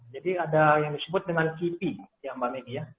jadi ada yang disebut dengan kipi ya mbak megi ya